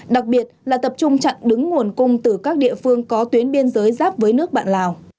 đặc biệt là tập trung chặn đứng nguồn cung từ các địa phương có tuyến biên giới giáp với nước bạn lào